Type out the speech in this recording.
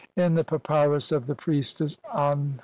In the papyrus of the priestess Anhai (Brit.